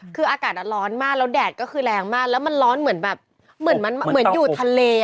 คืออากาศร้อนมากแล้วแดดก็คือแรงมากแล้วมันร้อนเหมือนอยู่ทะเล